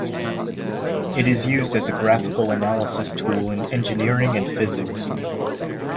It is used as a graphical analysis tool in engineering and physics.